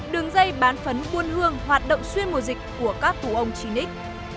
đường dây bán phấn buôn hương hoạt động xuyên mùa dịch của các tù ông chi ních